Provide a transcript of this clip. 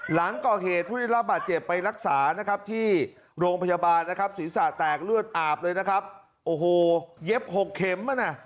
หลังก่อเหตุผู้ได้รับบาดเจ็บไปรักษานะครับที่โรงพยาบาลนะครับศีรษะแตกเลือดอาบเลยนะครับโอ้โหเย็บหกเข็มอ่ะนะ